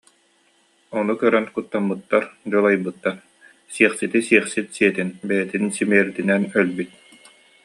Ону көрөн куттаммыттар, дьулайбыттар: «Сиэхсити сиэхсит сиэтин, бэйэтин симиэрдинэн өлбүт»